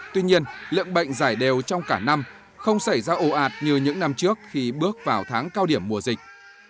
tuy nhiên lượng bệnh giải đều trong cả năm không xảy ra ồ ạt như những năm trước khi bước vào tháng cao điểm mùa dịch